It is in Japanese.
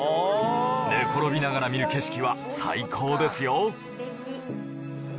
寝転びながら見る景色は最高ですよ。